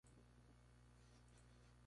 Ocupa el histórico predio de la prefectura.